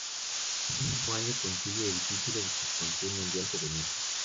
Ese mismo año consigue el título de Subcampeón Mundial Juvenil.